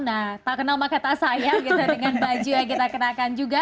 nah tak kenal mah kata saya dengan baju yang kita kenakan juga